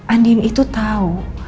andien itu tahu